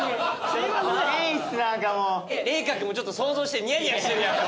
玲翔くんもちょっと想像してニヤニヤしてるやんか。